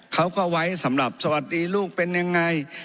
เขาก็ไว้สำหรับสวัสดีลูกเป็นยังไง